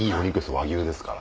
和牛ですから。